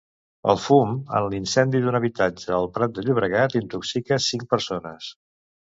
El fum en l'incendi d'un habitatge al Prat de Llobregat intoxica cinc persones.